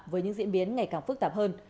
với những diễn biến ngày càng phức tạp hơn